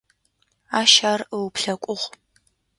Ащ ар ыуплъэкӏугъ.